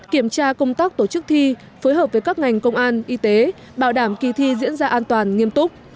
kiểm tra công tác tổ chức thi phối hợp với các ngành công an y tế bảo đảm kỳ thi diễn ra an toàn nghiêm túc